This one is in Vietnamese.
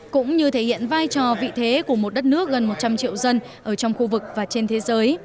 cũng như thể hiện vai trò vị thế của một đất nước gần một trăm linh triệu dân ở trong khu vực và trên thế giới